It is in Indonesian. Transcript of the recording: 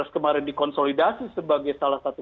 kemarin dikonsolidasi sebagai salah satu